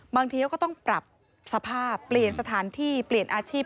บางทีเขาก็ต้องปรับสภาพเปลี่ยนสถานที่เปลี่ยนอาชีพ